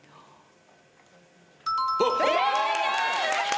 正解！